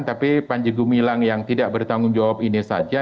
tapi panjegu milang yang tidak bertanggung jawab ini saja